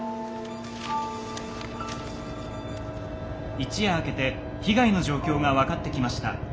「一夜明けて被害の状況が分かってきました。